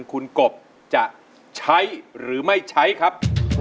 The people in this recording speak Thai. คุณกบจะใช้หรือไม่ใช้ครับ